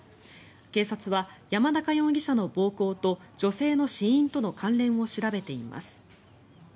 警察は山中容疑者の暴行と女性の死因との関連を調べています。